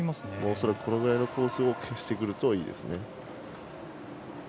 恐らくこのぐらいのコースを押してくるといいです。